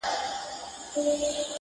او بحثونو تر اغېز لاندي نه راځم